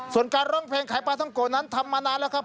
ส่วนการร้องเพลงขายปลาท่องโกะนั้นทำมานานแล้วครับ